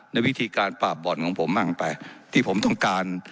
ในวิธีการปราบบ่อนของผมมากไปที่ผมต้องการ